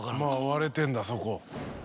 割れてんだそこ。